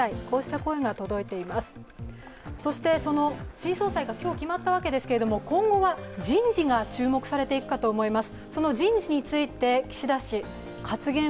新総裁が今日決まったわけですけど、今後は人事が注目されていくかと思います。